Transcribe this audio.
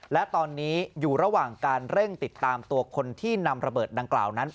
และตอนนี้อยู่ระหว่างการเร่งติดตามตัวคนที่นำระเบิดดังกล่าวนั้น